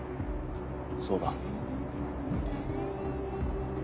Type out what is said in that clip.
そうだ。